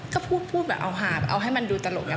ก็พูดไว้เอาฮาเอาให้มันดูหลก